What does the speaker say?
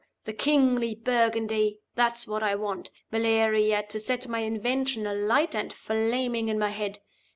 The kingly Burgundy! that's what I want, Valeria, to set my invention alight and flaming in my head.